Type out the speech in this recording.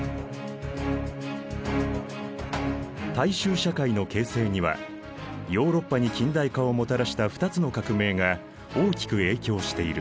大衆社会の形成にはヨーロッパに近代化をもたらした二つの革命が大きく影響している。